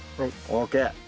ＯＫ。